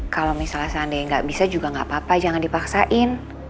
kalau misalnya seandainya nggak bisa juga nggak apa apa jangan dipaksain